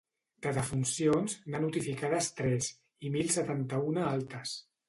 De defuncions, n’ha notificades tres, i mil setanta-una altes.